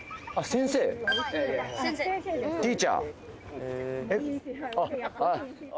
先生ティーチャー？